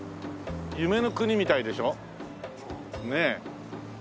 夢の国みたいでしょ？ねえ。